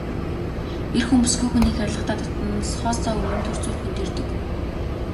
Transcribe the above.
Эр хүн бүсгүй хүнийг хайрлахдаа дотносохоосоо өмнө түр зуур хөндийрдөг.